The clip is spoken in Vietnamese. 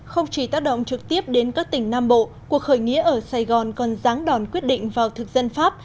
không chỉ tác động trực tiếp đến các tỉnh nam bộ cuộc khởi nghĩa ở sài gòn còn ráng đòn quyết định vào thực dân pháp